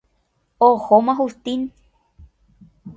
Ohóma Justín.